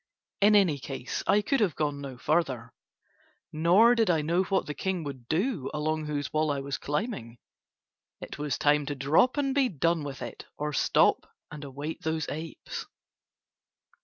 In any case I could have gone no farther, nor did I know what the king would do along whose wall I was climbing. It was time to drop and be done with it or stop and await those apes.